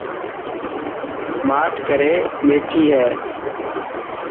ماٺ ڪري ٻيٺي هي.